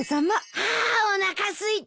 あおなかすいた。